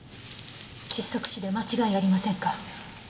窒息死で間違いありませんか？